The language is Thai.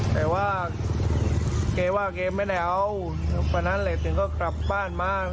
แต่ว่าแกว่าแกไม่ได้เอาวันนั้นเหล็กถึงก็กลับบ้านมา